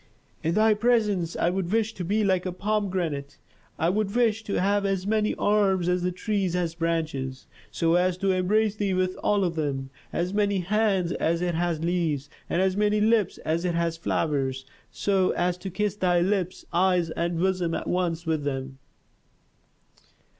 "In thy presence I should wish to be like a pomegranate. I should wish to have as many arms as the tree has branches, so as to embrace thee with all of them, as many hands as it has leaves, and as many lips as it has flowers, so as to kiss thy lips, eyes, and bosom at once with them."